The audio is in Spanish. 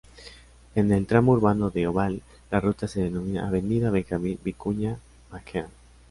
En el tramo urbano de Ovalle la ruta se denomina avenida Benjamín Vicuña Mackenna.